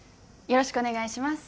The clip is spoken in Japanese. よろしくお願いします